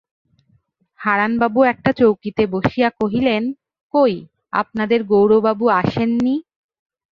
হারানবাবু একটা চৌকিতে বসিয়া কহিলেন, কই, আপনাদের গৌরবাবু আসেন নি?